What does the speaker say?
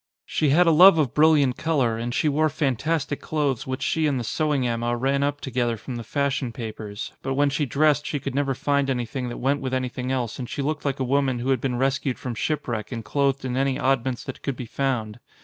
She had a love of brilliant colour and she wore fantastic clothes which she and the sewing amah ran up to gether from the fashion papers ; but when she dressed she could never find anything that went with anything else and she looked like a woman who had been rescued from shipwreck and clothed in any oddments that could be found.